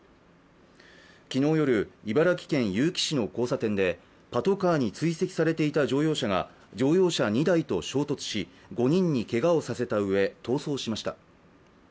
昨日夜、茨城県結城市の交差点でパトカーに追跡されていた乗用車が乗用車２台と衝突し５人にけがをさせたうえ逃走しました。